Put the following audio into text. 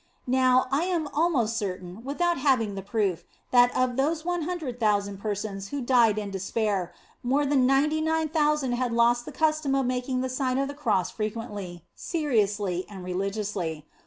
Now, I am almost certain, without having the proof, that of those hundred thousand persons who died in despair, more than ninety nine thousand had lost the custom of making the Sign of the Cross frequently, seriously, and religiously.